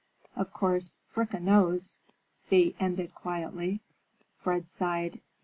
Of course, Fricka knows," Thea ended quietly. Fred sighed.